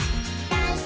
ダンス！」